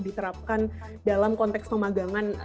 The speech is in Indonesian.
diterapkan dalam konteks pemagangan